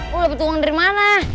lu dapet uang dari mana